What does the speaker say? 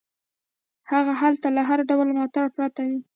هغه هلته له هر ډول ملاتړ پرته وي.